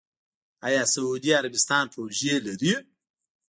آیا سعودي عربستان پروژې لري؟